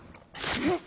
えっ？